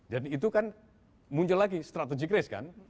jadi itu kan muncul lagi strategi kris kan